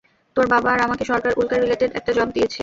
তোর বাবা আর আমাকে সরকার উল্কা রিলেটেড একটা জব দিয়েছে।